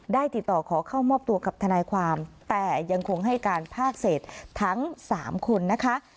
ติดต่อขอเข้ามอบตัวกับทนายความแต่ยังคงให้การภาคเศษทั้ง๓คนนะคะ